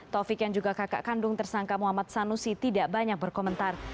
taufik yang juga kakak kandung tersangka muhammad sanusi tidak banyak berkomentar